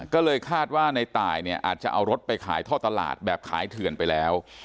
ก็เลยคาดว่าในตายเนี่ยอาจจะเอารถไปขายท่อตลาดแบบขายเถื่อนไปแล้ว